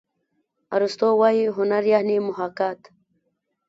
ارستو وايي هنر یعني محاکات.